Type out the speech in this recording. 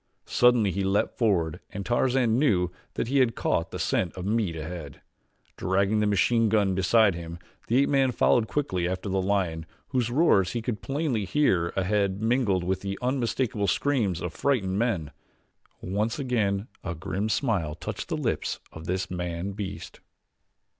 Suddenly he leaped forward and Tarzan knew that he had caught the scent of meat ahead. Dragging the machine gun beside him the ape man followed quickly after the lion whose roars he could plainly hear ahead mingled with the unmistakable screams of frightened men. Once again a grim smile touched the lips of this man beast.